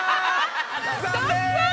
残念！